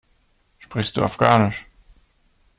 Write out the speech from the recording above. Sprichst du Afghanisch?